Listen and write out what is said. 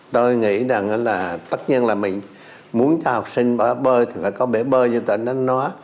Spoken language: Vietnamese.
tôi nghĩ rằng là tất nhiên là mình muốn cho học sinh bơi thì phải có bể bơi như tụi anh đã nói